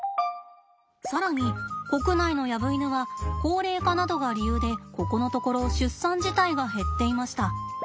更に国内のヤブイヌは高齢化などが理由でここのところ出産自体が減っていました。